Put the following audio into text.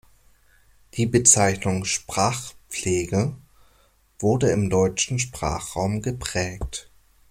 Die Bezeichnung „Sprachpflege“ wurde im deutschen Sprachraum geprägt.